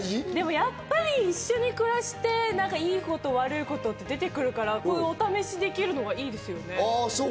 やっぱり一緒に暮らして、いいこと、悪いことって出てくるから、お試しできるのはいいですよね。